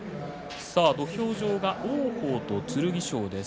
土俵上は王鵬と剣翔です。